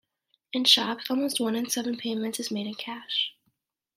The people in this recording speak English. In shops, almost one in seven payments is made in cash.